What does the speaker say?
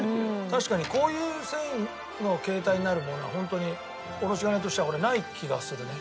確かにこういう繊維の形態になるものは本当におろし金としては俺ない気がするね。